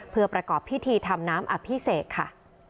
เพื่อประกอบพิธีทำน้ำอภิเษกค่ะ